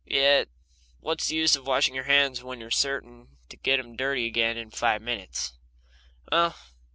Yet, what's the use of washing your hands when you're certain to get them dirty again in five minutes?